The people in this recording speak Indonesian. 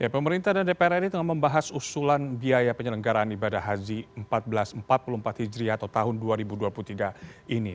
pemerintah dan dpr ri tengah membahas usulan biaya penyelenggaraan ibadah haji seribu empat ratus empat puluh empat hijri atau tahun dua ribu dua puluh tiga ini